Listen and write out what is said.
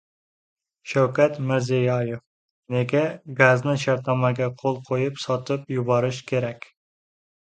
Shavkat Mirziyoyev: Nega gazni shartnomaga qo‘l qo‘yib sotib yuborish kerak?